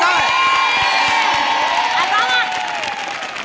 อาจารย์กอล์ฟมา